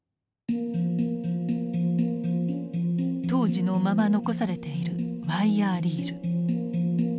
当時のまま残されているワイヤーリール。